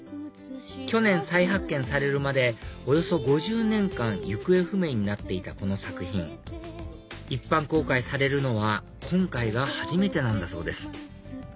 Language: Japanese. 去年再発見されるまでおよそ５０年間行方不明になっていたこの作品一般公開されるのは今回が初めてなんだそうです